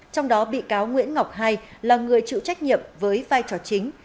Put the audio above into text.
trong đó bị cáo nguyễn ngọc hai là người chịu trách nhiệm với vai trò chính